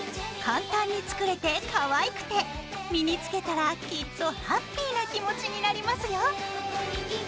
簡単に作れてかわいくて身に着けたらきっとハッピーな気持ちになりますよ！